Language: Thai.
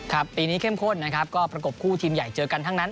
ปีนี้เข้มข้นนะครับก็ประกบคู่ทีมใหญ่เจอกันทั้งนั้น